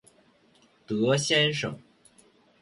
德先生